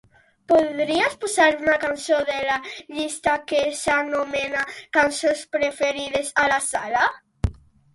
Podries posar una cançó de la llista que s'anomena "cançons preferides" a la sala?